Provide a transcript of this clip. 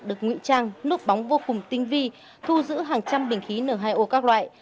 được ngụy trang núp bóng vô cùng tinh vi thu giữ hàng trăm bình khí n hai o các loại